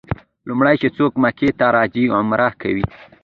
لومړی چې څوک مکې ته راځي عمره کوي.